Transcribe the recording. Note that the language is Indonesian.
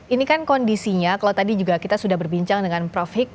ini kan kondisinya kalau tadi juga kita sudah berbincang dengan prof hik